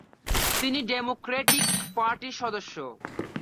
তিনি ডেমোক্র্যাটিক পার্টির সদস্য।